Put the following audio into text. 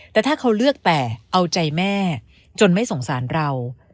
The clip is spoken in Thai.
แต่ถ้าเขาเลือกแต่เอาใจแม่จนไม่สงสารเรา